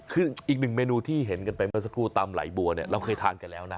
คืออีกหนึ่งเมนูที่เห็นกันไปเมื่อสักครู่ตำไหลบัวเนี่ยเราเคยทานกันแล้วนะ